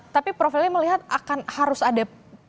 tapi profilnya melihat akan harus ada